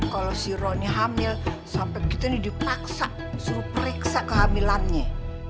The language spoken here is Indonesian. kalo si roni hamil sampe kita nih dipaksa suruh periksa kehamilannya